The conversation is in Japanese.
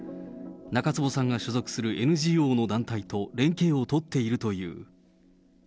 中坪さんが所属するＮＧＯの団体と連携を取っているという。